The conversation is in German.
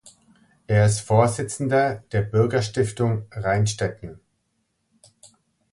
Er ist Vorsitzender der Bürgerstiftung Rheinstetten.